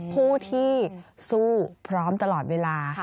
ผู้ที่สู้พร้อมตลอดเวลา